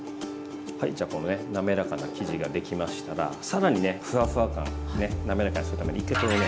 じゃあこのね滑らかな生地ができましたらさらにねふわふわ感ね滑らかにするために１回これをね